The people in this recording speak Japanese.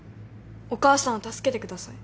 お母さんを助けてください。